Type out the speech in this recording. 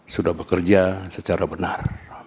sudah bekerja secara benar